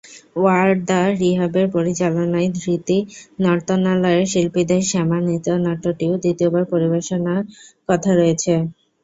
Wardah রিহাবের পরিচালনায় ধৃতি নর্তনালয়ের শিল্পীদের শ্যামা নৃত্যনাট্যটিও দ্বিতীয়বার পরিবেশনার কথা রয়েছে।